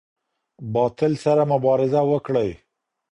باطل سره مبارزه وکړئ.